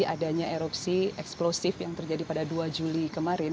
adanya erupsi eksplosif yang terjadi pada dua juli kemarin